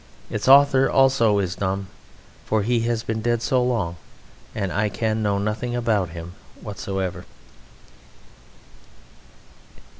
Its author also is dumb, for he has been dead so long, and I can know nothing about him whatsoever.